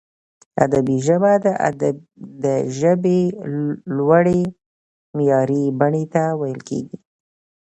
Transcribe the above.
ادبي ژبه د ژبي لوړي معیاري بڼي ته ویل کیږي.